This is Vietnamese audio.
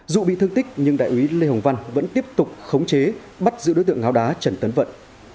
dù bị thương tích nhưng đại úy lê hồng văn vẫn tiếp tục khống chế bắt giữ đối tượng ngáo đá trần tấn vận